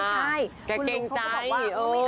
แกเกรงใจ